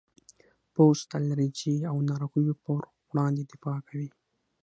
پوست د الرجي او ناروغیو پر وړاندې دفاع کوي.